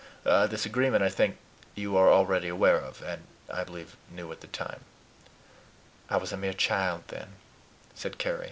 This agreement, I think, you are already aware of, and, I believe, knew at the time." "I was a mere child then," said Carry.